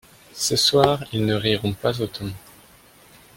Ce soir ils ne riront pas autant.